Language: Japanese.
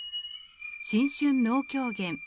「新春能狂言」。